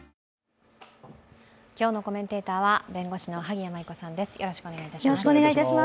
今日のコメンテーターは弁護士の萩谷麻衣子さんです。